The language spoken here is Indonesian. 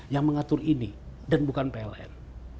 yang mengatur ini dan bukan pln